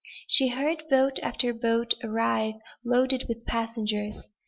She heard boat after boat arrive loaded with passengers.